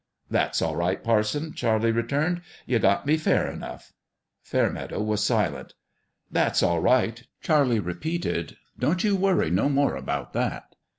" That's all right, parson," Charlie returned; " y u got me fei r enough." Fairmeadow was silent. " That's all right !" Charlie repeated. " Don't you worry no more about that."